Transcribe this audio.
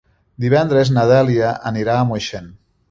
Divendres na Dèlia anirà a Moixent.